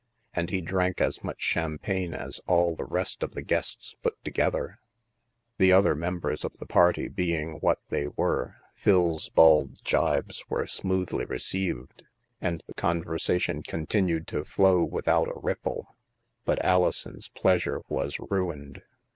And he drank as much champagne as all the rest of the guests put together. The other members of the party being what they were, Phil's bald gibes were 'smoothly received, and the conversation continued to flow without a ripple. But Alison's pleasure was ruined.